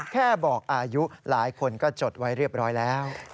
แค่บอกอายุหลายคนก็จดไว้เรียบร้อยแล้ว